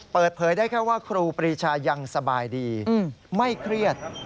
เปิดเผยได้แค่ว่าครูปรีชายังสบายดีไม่เครียด